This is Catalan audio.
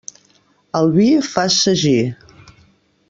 El vi fa sagí.